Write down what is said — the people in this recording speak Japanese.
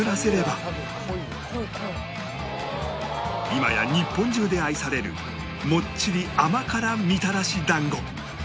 今や日本中で愛されるもっちり甘辛みたらし団子